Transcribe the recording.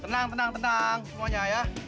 tenang tenang semuanya ya